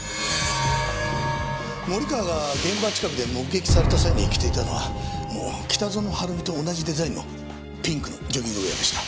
森川が現場近くで目撃された際に着ていたのはこの北園晴美と同じデザインのピンクのジョギングウェアでした。